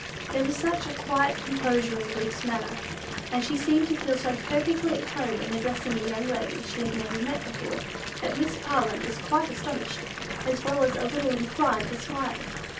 There was such a quiet composure in Ruth's manner, and she seemed to feel so perfectly at home in addressing a young lady she had never seen before, that Miss Parlin was quite astonished, as well as a little inclined to smile.